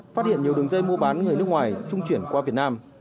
phát hiện nhiều đường dây mua bán người nước ngoài trung chuyển qua việt nam